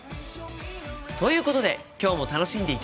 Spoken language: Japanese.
ということで今日も楽しんでいただけましたか？